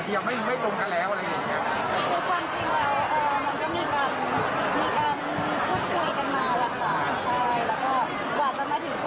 มีการพูดคุยกันมาแล้วค่ะแล้วก็กว่าจะมาถึงจุดนี้ได้